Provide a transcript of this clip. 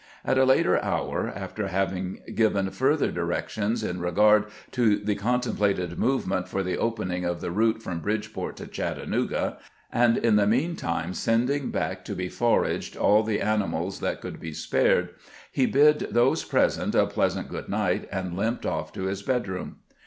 At a late hour, after having given further directions in regard to the contemplated movement for the opening of the route from Bridgeport to Chattanooga, and in the mean time sending back to be foraged all the animals 8 CAMPAIGNING WITH GRANT that could be spared, he bid those present a pleasant good, night, and limped off to his bedroom.